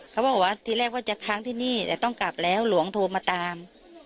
เขาบอกว่าทีแรกว่าจะค้างที่นี่แต่ต้องกลับแล้วหลวงโทรมาตาม